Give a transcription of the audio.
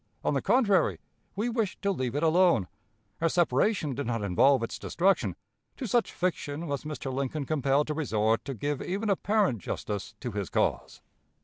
On the contrary, we wished to leave it alone. Our separation did not involve its destruction. To such fiction was Mr. Lincoln compelled to resort to give even apparent justice to his cause.